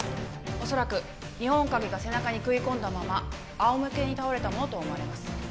おそらく二本鉤が背中に食い込んだままあおむけに倒れたものと思われます